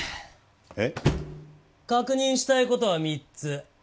えっ？確認したい事は３つ。